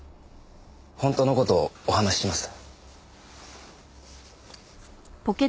本当の事をお話しします。